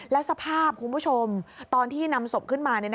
แล้วสภาพคุณผู้ชมตอนที่นำศพขึ้นมา